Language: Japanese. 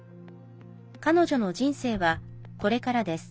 彼女の人生はこれからです。